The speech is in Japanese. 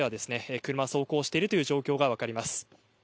車が走行しているという状況が分かります。